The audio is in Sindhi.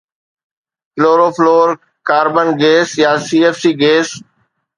ڪلورو فلورو ڪاربن گيس يا سي ايف سي گيس